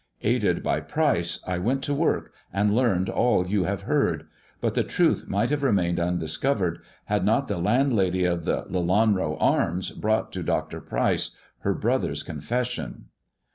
Aided by Pryce I went to work and learned all you have heard; but the truth might have remained undiscovered, had not the landlady of the * Lelanro Arms ' brought to Dr. Pryce her brother's, confession."